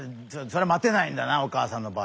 それは待てないんだなお母さんの場合は。